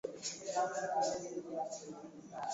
Walikuwa wanapita Tabora na Ujiji kwenda ziwa Tanganyika